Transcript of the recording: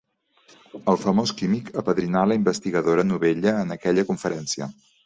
El famós químic apadrinà la investigadora novella en aquella conferència.